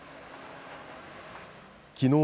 きのう